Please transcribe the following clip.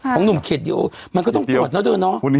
ของหนุ่มขีดเดียวมันก็ต้องตรวจนะเธอน้อง